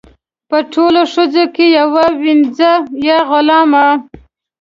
په ټولو ښځو کې یوه وینځه یا غلامه.